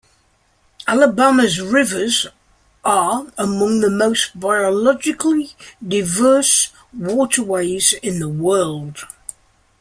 Alabama's rivers are among the most biologically diverse waterways in the world.